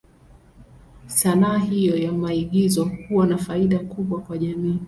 Sanaa hiyo ya maigizo huwa na faida kubwa kwa jamii.